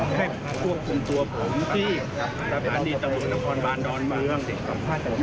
ขอให้พวกคุ้มตัวผมที่ศาลณีเตะวะนางคอนบาร์เนิดล้อนเพื่อนของผม